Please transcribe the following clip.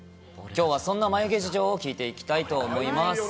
きょうは、そんな眉毛事情を聞いていきたいと思います。